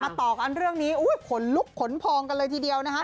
ต่อกันเรื่องนี้ขนลุกขนพองกันเลยทีเดียวนะคะ